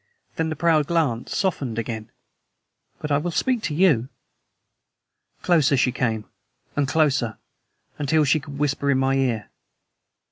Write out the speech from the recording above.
Then the proud glance softened again. "But I will speak for you." Closer she came, and closer, until she could whisper in my ear.